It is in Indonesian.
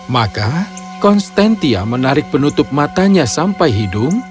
maka konstantia menarik penutup matanya sampai hidung